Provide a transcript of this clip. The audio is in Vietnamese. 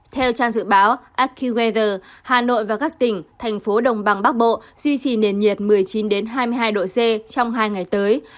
theo trang dự báo aqir hà nội và các tỉnh thành phố đồng bằng bắc bộ duy trì nền nhiệt một mươi chín hai mươi hai độ c trong hai ngày tới